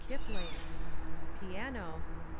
Kipling Piano Ig.